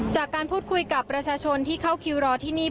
จากการพูดคุยกับประชาชนที่เข้าคิวรอที่นี่